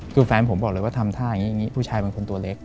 คือแฟนผมบอกเลยว่าทำท่าอย่างนี้ผู้ชายเป็นคนตัวเล็ก